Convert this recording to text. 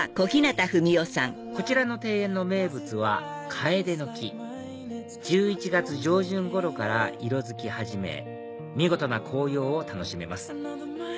こちらの庭園の名物はカエデの木１１月上旬頃から色づき始め見事な紅葉を楽しめます